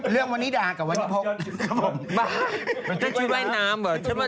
เป็นเรื่องวันนิดากับวันนิโพกบ้านั่นชุดว่ายน้ำเหรอ